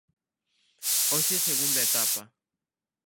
Hoxe segunda etapa.